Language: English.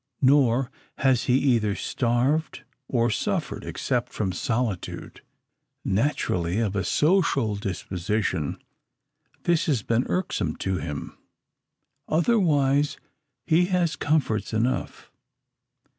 Nor has he either starved or suffered, except from solitude. Naturally of a social disposition, this has been irksome to him. Otherwise, he has comforts enough.